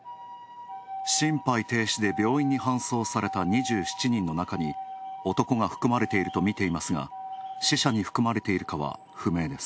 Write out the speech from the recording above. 心肺停止で病院に搬送された２７人の中に男が含まれているとみていますが、死者に含まれているかは不明です。